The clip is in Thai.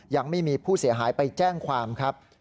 ยังไม่มีผู้เสียหายไปแจ้งความครับ